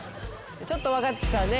ちょっと若槻さんね